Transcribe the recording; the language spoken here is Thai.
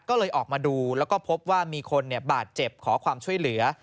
ก็เลยออกมาดูแล้วก็พบว่ามีคนบาดเจ็บขอความช่วยเหลือ